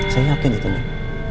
saya yakin itu nek